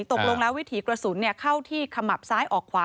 ตกลงแล้ววิถีกระสุนเข้าที่ขมับซ้ายออกขวา